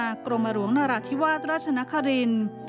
นปราสู้ททหารองงฆาตของนรทิวาธรรชนะคาริน